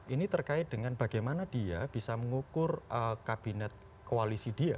ini terkait dengan bagaimana dia bisa mengukur kabinet koalisi dia